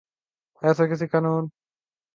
ایسے کسی قانون کا ذکر نہ تھا۔